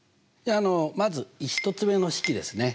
まず１つ目の式ですね。